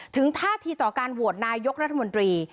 ท่าทีต่อการโหวตนายกรัฐมนตรี